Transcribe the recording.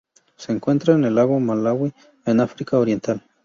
Se encuentra el lago Malawi en África Oriental.